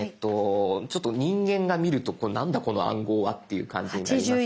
ちょっと人間が見ると何だこの暗号はって感じですけど。